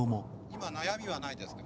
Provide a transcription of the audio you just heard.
今悩みはないですか？